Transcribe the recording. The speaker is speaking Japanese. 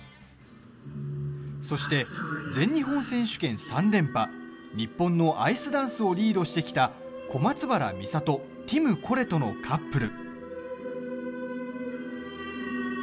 そして、全日本選手権３連覇日本のアイスダンスをリードしてきた小松原美里、ティムコレトのカップル。